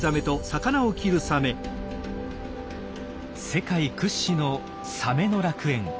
世界屈指のサメの楽園